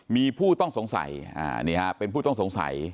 มีผู้ต้องสงสัยนี่ฮะเป็นผู้ต้องสงสัย